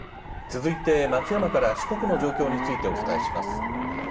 続いて松山から四国の状況についてお伝えします。